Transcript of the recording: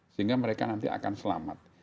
sehingga mereka nanti akan selamat